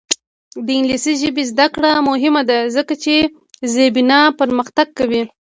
د انګلیسي ژبې زده کړه مهمه ده ځکه چې زیربنا پرمختګ کوي.